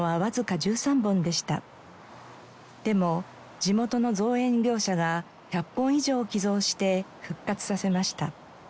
でも地元の造園業者が１００本以上寄贈して復活させました。